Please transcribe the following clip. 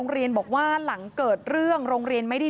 พอครูผู้ชายออกมาช่วยพอครูผู้ชายออกมาช่วย